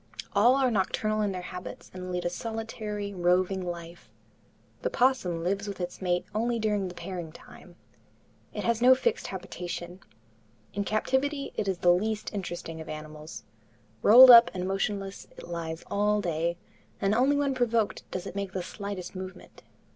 All are nocturnal in their habits and lead a solitary, roving life. The opossum lives with its mate only during the pairing time. It has no fixed habitation. In captivity it is the least interesting of animals. Rolled up and motionless, it lies all day, and only when provoked does it make the slightest movement.